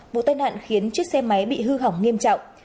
vụ tai nạn khiến chiếc xe máy bị hư hỏng nghiêm trọng